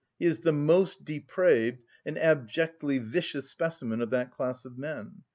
He is the most depraved, and abjectly vicious specimen of that class of men.